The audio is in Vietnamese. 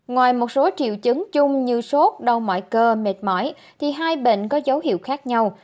ngoài một số triệu chứng chung như sốt đau mọi cơ mệt mỏi thì hai bệnh có dấu hiệu khác nhau